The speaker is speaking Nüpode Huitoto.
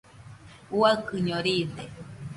Uaikɨño riide.